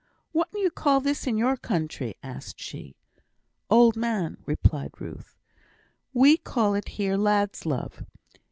"Whatten you call this in your country?" asked she. "Old man," replied Ruth. "We call it here lad's love.